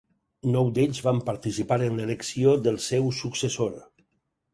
Nou d'ells van participar en l'elecció del seu successor.